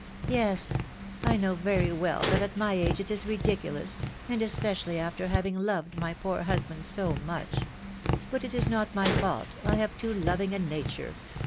"Yes; I know very well that at my age it is ridicu lous, and especially after having loved my poor husband so much. But it is not my fault, I have too loving a nature.